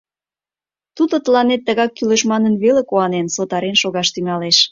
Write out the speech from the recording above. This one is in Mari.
Тудо тыланет тыгак кӱлеш манын веле куанен, сотарен шогаш тӱҥалеш.